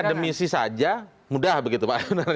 akademisi saja mudah begitu pak